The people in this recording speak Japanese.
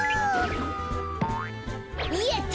やった！